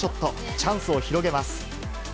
チャンスを広げます。